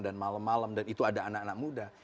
dan malam malam dan itu ada anak anak muda